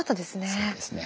そうですね。